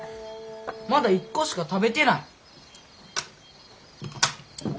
まだ１個しか食べてない。